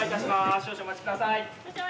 少々お待ちください。